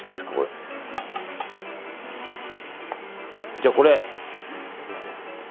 じゃあ、これ。